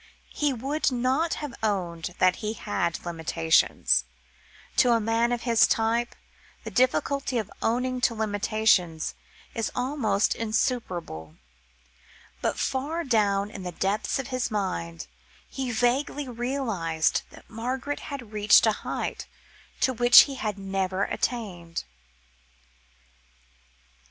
He would not have owned that he had limitations to a man of his type, the difficulty of owning to limitations is almost insuperable but far down in the depths of his mind, he vaguely realised that Margaret had reached a height to which he had never attained.